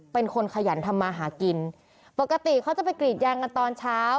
เป็นคนขยันทำมาหากินปกติเขาจะไปกรีดยางกันตอนเช้า